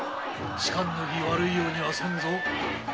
仕官の儀悪のようにはせんぞ。